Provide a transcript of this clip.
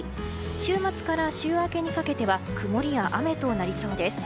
週末から週明けにかけては曇りや雨になりそうです。